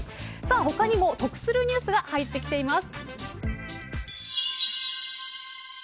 他にも得するニュースが入ってきています。